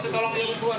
iya ibu yang keluar